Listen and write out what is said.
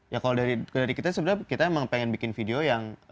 ya kalau dari kita sebenarnya kita emang pengen bikin video yang